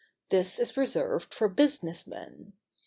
This is reserved for business men.